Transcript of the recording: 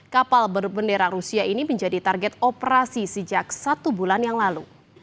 kapal berbendera rusia ini menjadi target operasi sejak satu bulan yang lalu